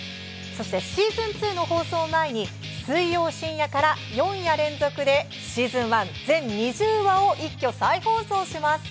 そして、シーズン２の放送を前に水曜深夜から４夜連続でシーズン１全２０話を一挙再放送します。